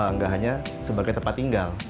nggak hanya sebagai tempat tinggal